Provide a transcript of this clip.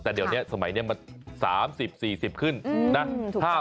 แต่เดี๋ยวนี้สมัยนี้มัน๓๐๔๐ขึ้นนะ